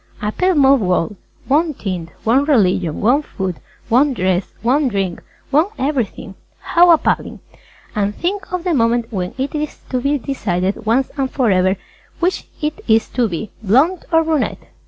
A pale mauve World! One tint, one religion, one food, one dress, one Drink, one everything. How appalling! And think of the moment when it is to be decided once and forever which it is to be Blonde or Brunette!